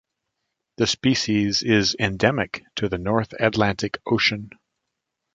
The species is endemic to the North Atlantic Ocean.